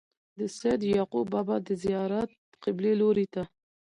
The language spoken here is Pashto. د سيد يعقوب بابا د زيارت قبلې لوري ته